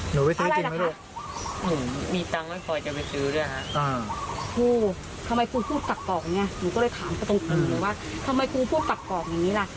หนูก็เลยถามเขาตรงตรงเลยว่าทำไมคุณพูดกับกรอกอย่างนี้ล่ะ